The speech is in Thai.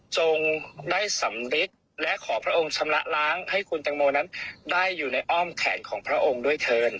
จงได้สำริดและขอพระองค์ชำระล้างให้คุณแตงโมนั้นได้อยู่ในอ้อมแขนของพระองค์ด้วยเถิน